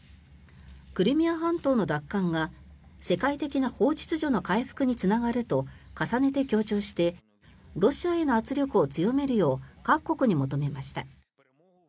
クリミア半島の奪還が世界的な法秩序の回復につながると重ねて強調してロシアへの圧力を強めるよう各国に求めました。